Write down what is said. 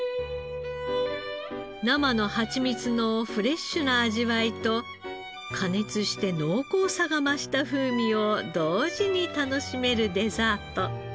生のハチミツのフレッシュな味わいと加熱して濃厚さが増した風味を同時に楽しめるデザート。